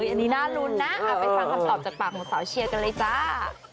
อันนี้น่ารุ้นนะไปฟังคำตอบจากปากของสาวเชียร์กันเลยจ้า